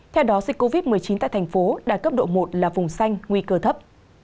theo đó dịch covid một mươi chín tại thành phố đạt cấp độ một là vùng xanh nguy cơ thấp